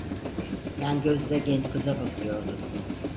Yan gözle genç kıza bakıyordu.